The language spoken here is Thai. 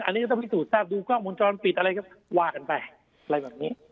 อันนี้ก็ต้องพิสูจนทราบดูกล้องวงจรปิดอะไรก็ว่ากันไปอะไรแบบนี้